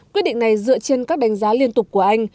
quyết định này dựa trên các đánh giá liên tục của anh